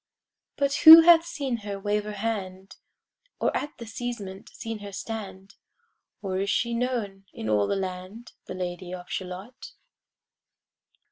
But who hath seen her wave her hand? Or at the casement seen her stand? Or is she known in all the land, The Lady of Shalott?